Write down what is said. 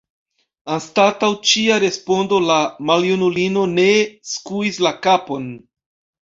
Anstataŭ ĉia respondo la maljunulino nee skuis la kapon.